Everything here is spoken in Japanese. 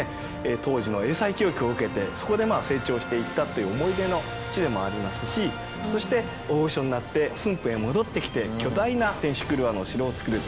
当時の英才教育を受けてそこでまあ成長していったという思い出の地でもありますしそして大御所になって駿府へ戻ってきて巨大な天守曲輪の城を造ると。